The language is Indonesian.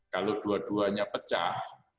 kalau dua duanya pecah